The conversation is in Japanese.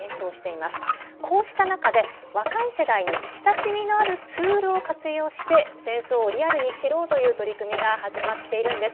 こうした中で若い世代に親しみのあるツールを活用して戦争をリアルに知ろうという取り組みが始まっているんです。